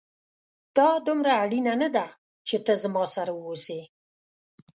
دا دومره اړينه نه ده چي ته زما سره واوسې